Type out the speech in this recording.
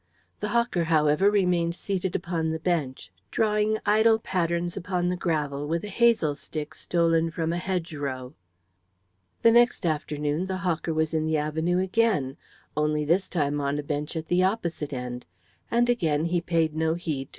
The hawker, however, remained seated upon the bench, drawing idle patterns upon the gravel with a hazel stick stolen from a hedgerow. The next afternoon the hawker was in the avenue again, only this time on a bench at the opposite end; and again he paid no heed to M.